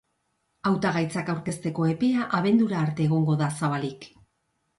Hautagaitzak aurkezteko epea abendura arte egongo da zabalik.